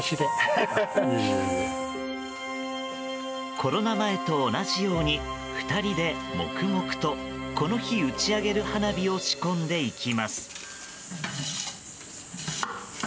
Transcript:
コロナ前と同じように２人で黙々とこの日打ち上げる花火を仕込んでいきます。